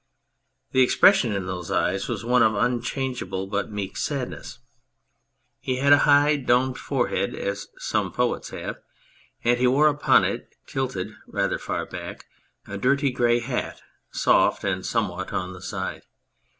The expression in those eyes was one of unchange able but meek sadness. He had a high domed fore 112 The Abstracted Man head, as some poets have, and he wore upon it, tilted rather far back, a dirty grey hat, soft and somewhat on one side.